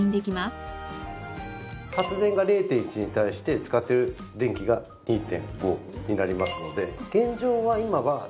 発電が０．１に対して使っている電気が２．５になりますので。